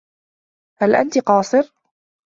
هل أنت قاصر؟